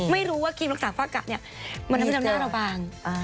ไม่รู้ว่าครีมรักษาฝ้ากะมันทำให้หน้าเราบาง